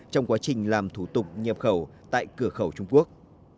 trong quá trình làm thủ tục nhập khẩu tại cửa khẩu trung quốc